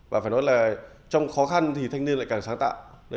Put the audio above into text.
và phải nói là trong khó khăn thì thanh niên lại càng sáng tạo